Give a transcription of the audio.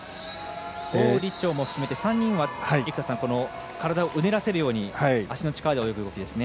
王李超も含めて３人は体をうねらせるように足の力で泳ぐ動きですね。